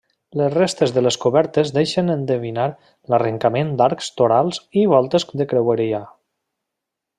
Les restes de les cobertes deixen endevinar l'arrencament d'arcs torals i voltes de creueria.